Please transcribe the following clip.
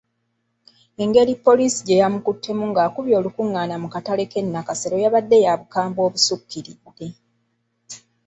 Engeri poliisi gye yamukuttemu ng’akubye olukungaana mu katale k’e Nakasero yabadde ya bukambwe obusukkiridde.